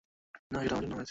না, সেটা আমার জন্য হয়েছে।